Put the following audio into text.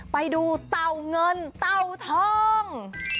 ไปดูเต่าเงินเต่าทอง